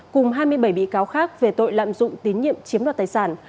cùng hai mươi bảy bị cáo khác về tội lạm dụng tín nhiệm chiếm đoạt tài sản